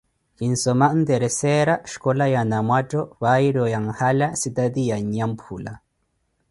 Kinsoma nterseyira, xkola wa Nanwattho, payiro ya N`hala, sitate ya N`nyamphula.